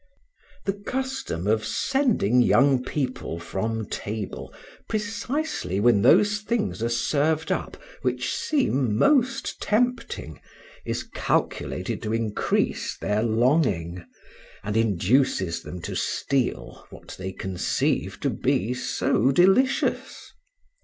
The custom of sending young people from table precisely when those things are served up which seem most tempting, is calculated to increase their longing, and induces them to steal what they conceive to be so delicious.